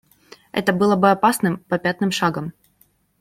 Это было бы опасным попятным шагом.